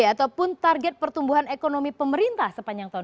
ataupun target pertumbuhan ekonomi pemerintah sepanjang tahun dua ribu dua